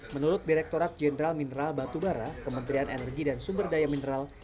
menurut direkturat jenderal mineral batubara kementerian energi dan sumber daya mineral